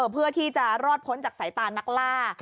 เพื่อที่จะรอดพ้นจากสายตานักล่า